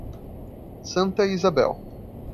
Santa Isabel